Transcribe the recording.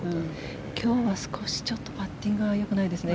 今日は少しパッティングがよくないですね。